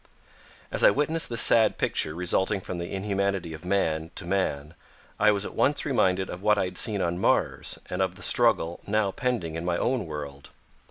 As I witnessed this sad picture resulting from the inhumanity of man to man, I was at once reminded of what I had seen on Mars, and of the struggle now pending in my own world.